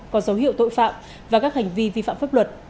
có dấu hiệu tội phạm và các hành vi vi phạm pháp luật